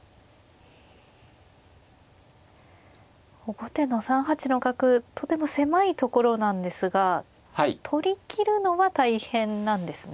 後手の３八の角とても狭いところなんですが取りきるのは大変なんですね？